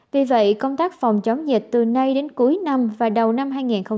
vì vậy công tác phòng chống dịch từ nay đến cuối năm và đầu năm hai nghìn hai mươi